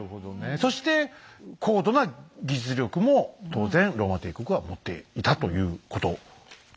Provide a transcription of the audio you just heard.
そして高度な技術力も当然ローマ帝国は持っていたということですね。